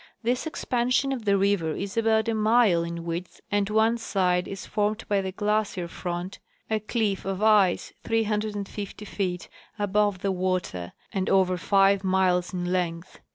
This ex pansion of the river is about a mile in width and one side is formed by the glacier front, a cliff of ice 350 feet above the water and over five miles in length.